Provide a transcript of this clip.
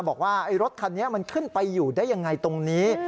บอกว่ารถคันนี้มันขึ้นไปอยู่ได้ยังไงตรงนี้